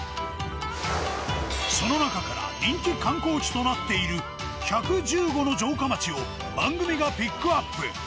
その中から人気観光地となっている１１５の城下町を番組がピックアップ。